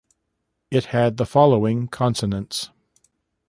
It had the following consonants.